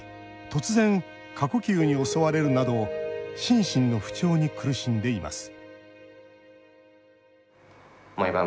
突然、過呼吸に襲われるなど心身の不調に苦しんでいます